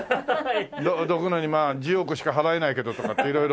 どくのに１０億しか払えないけどとかって色々。